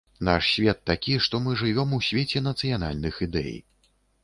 Наш свет такі, што мы жывём у свеце нацыянальных ідэй.